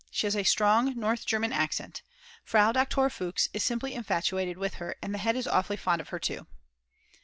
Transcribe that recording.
She has a strong North German accent. Frau Doktor Fuchs is simply infatuated with her and the head is awfully fond of her too.